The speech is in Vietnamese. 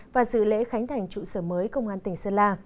và dự lễ khánh thành trụ sở mới công an tỉnh sơn la